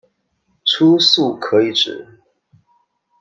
初速可以指